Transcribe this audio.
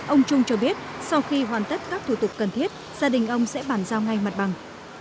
ông trung cho biết sau khi hoàn tất các thủ tục cần thiết gia đình ông sẽ bàn giao ngay mặt bằng